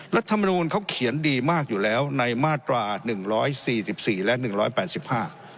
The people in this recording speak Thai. รัฐมนูลเขาเขียนดีมากอยู่แล้วในมาตราหนึ่งร้อยสี่สิบสี่และหนึ่งร้อยแปดสิบห้า